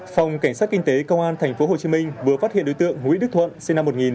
phòng cảnh sát kinh tế công an tp hcm vừa phát hiện đối tượng huy đức thuận